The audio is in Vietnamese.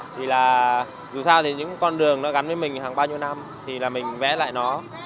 thì là dù sao thì những con đường nó gắn với mình hàng bao nhiêu năm thì là mình vẽ lại nó